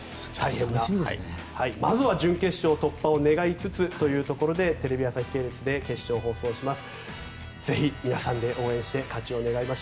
まずは準決勝突破を願いつつというところでテレビ朝日系列で決勝を放送します。